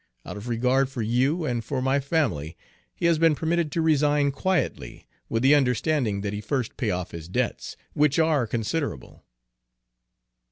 Out of regard for you and for my family, he has been permitted to resign quietly, with the understanding that he first pay off his debts, which are considerable."